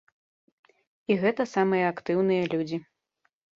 І гэта самыя актыўныя людзі.